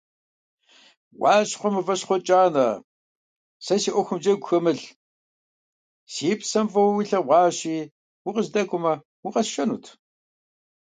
Уащхъуэ Мыващхъуэ КӀанэ, сэ си Ӏуэхум джэгу хэмылъ: си псэм фӀыуэ уилъэгъуащи, укъыздэкӀуэмэ, укъэсшэнут!